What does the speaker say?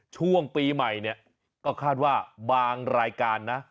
ช่วงปีใหม่เนี่ยก็คาดว่าบางรายการนะ